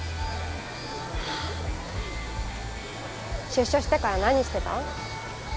出所してから何してた？